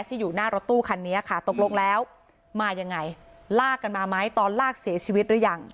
อยู่หน้ารถตู้คันนี้ค่ะตกลงแล้วมายังไงลากกันมาไหมตอนลากเสียชีวิตหรือยัง